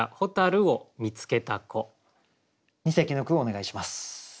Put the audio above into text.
二席の句をお願いします。